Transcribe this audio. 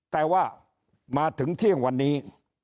แต่ว่ามาถึงเที่ยงวันนี้